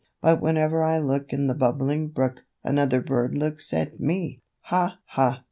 But whenever I look In the Bubbling Brook Another bird looks at me." "Ha, ha!"